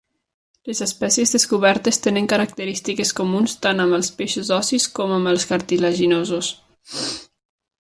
Les espècies descobertes tenen característiques comunes tant amb els peixos ossis com amb els cartilaginosos.